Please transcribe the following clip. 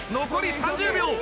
残り３０秒。